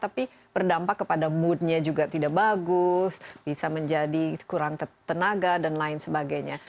tapi berdampak kepada moodnya juga tidak bagus bisa menjadi kurang tenaga dan lain sebagainya